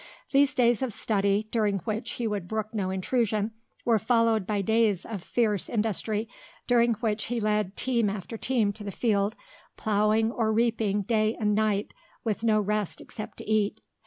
These days of study, during which he would brook no intrusion, were followed by days of fierce industry during which he led team after team to the field, ploughing or reaping day and night with no rest except to eat.